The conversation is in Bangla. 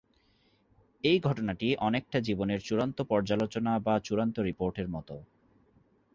এই ঘটনাটি অনেকটা জীবনের চূড়ান্ত পর্যালোচনা বা চূড়ান্ত রিপোর্ট এর মত।